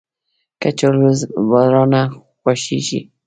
کچالو له بارانه خوښیږي